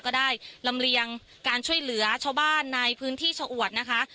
ก็ได้ลำเลียงการช่วยเหลือชาวบ้านในพื้นที่ชะอวดนะคะ